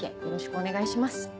よろしくお願いします。